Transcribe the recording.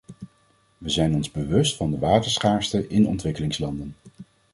We zijn ons bewust van de waterschaarste in ontwikkelingslanden.